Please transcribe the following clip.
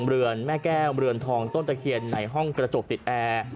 เรือนแม่แก้วเรือนทองต้นตะเคียนในห้องกระจกติดแอร์